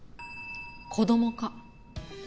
子供か。